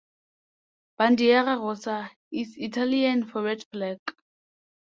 "Bandiera Rossa" is Italian for "Red flag".